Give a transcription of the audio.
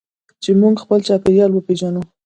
چې موږ خپل چاپیریال وپیژنو.